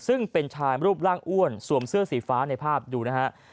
ซึ่งเป็นชายรูปร่างอ้วนสวมเสื้อสีฟ้าในภาพดูนะฮะ